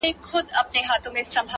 ه زه د دوو مئينو زړو بړاس يمه _